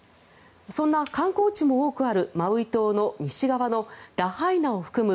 そんな観光地も多くあるマウイ島の西側のラハイナを含む